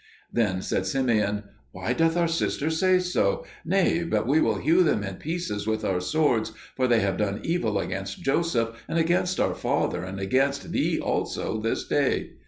Then said Simeon, "Why doth our sister say so? Nay, but we will hew them in pieces with our swords, for they have done evil against Joseph and against our father and against thee also this day."